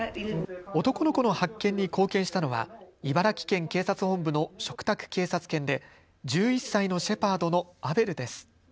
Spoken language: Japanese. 男の子の発見に貢献したのは茨城県警察本部の嘱託警察犬で１１歳のシェパードのアベルです。